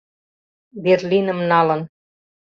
Берлиным налын.